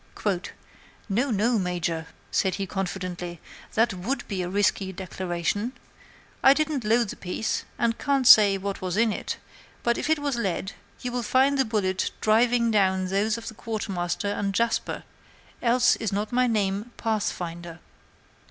"'No, no, Major,' said he, confidently, 'that would be a risky declaration. I didn't load the piece, and can't say what was in it; but if it was lead, you will find the bullet driving down those of the Quartermaster and Jasper, else is not my name Pathfinder.'